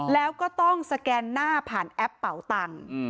แล้วก็ต้องสแกนหน้าผ่านแอปเป่าตังค์